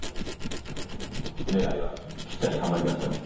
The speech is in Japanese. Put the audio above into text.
狙いはぴったりハマりましたね。